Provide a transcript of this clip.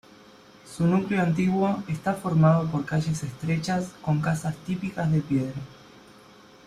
Su núcleo antiguo está formado por calles estrechas con casas típicas de piedra.